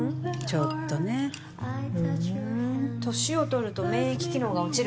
ちょっとねふうん歳を取ると免疫機能が落ちるっていうでしょ